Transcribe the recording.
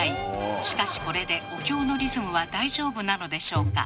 しかしこれでお経のリズムは大丈夫なのでしょうか。